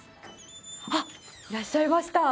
あっいらっしゃいました。